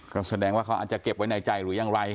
ก็แสดงว่าเขาอาจจะเก็บไว้ในใจหรือยังไร